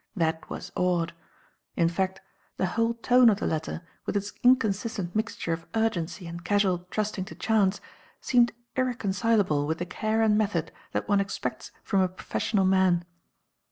That was odd. In fact, the whole tone of the letter, with its inconsistent mixture of urgency and casual trusting to chance, seemed irreconcilable with the care and method that one expects from a professional man.